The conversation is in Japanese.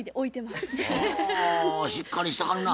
はあしっかりしてはるな。